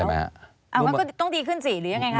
มันก็ต้องดีขึ้นสิหรือยังไงคะ